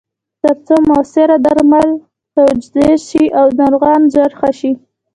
ترڅو موثره درمل تجویز شي او ناروغ ژر ښه شي.